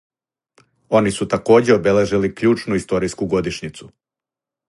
Они су такође обележили кључну историјску годишњицу.